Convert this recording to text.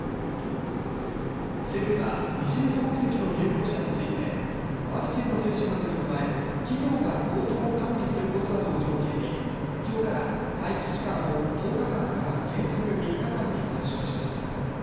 政府はビジネス目的の入国者についてワクチンの接種などに加え企業が行動を管理することなどを条件にきょうから待機期間を１０日間から原則３日間に短縮しました。